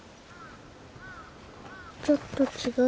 ちょっと違う。